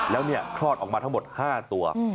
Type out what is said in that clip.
แล้วคลอดออกมาทั้งหมด๕ตัว